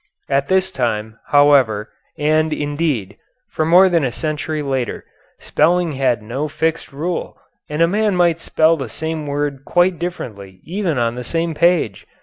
At this time, however, and, indeed, for more than a century later, spelling had no fixed rule, and a man might spell the same word quite differently even on the same page.